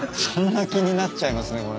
そんな気になっちゃいますね